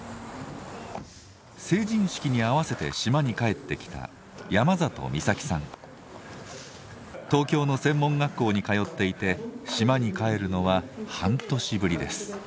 成人式にあわせて島に帰ってきた東京の専門学校に通っていて島に帰るのは半年ぶりです。